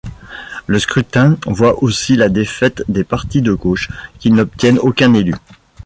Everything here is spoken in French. Le scrutin voit aussi la défaite des partis de gauche, qui n'obtiennent aucun élu.